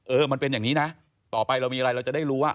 มันเป็นอย่างนี้นะต่อไปเรามีอะไรเราจะได้รู้ว่า